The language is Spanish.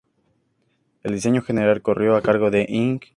El diseño general corrió a cargo de Ing.